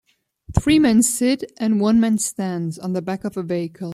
Three men sit, and one man stands, on the back of a vehicle.